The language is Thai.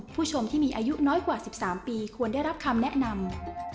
ผู้ชมที่มีอายุน้อยกว่า๑๓ปีควรได้รับคำแนะนำ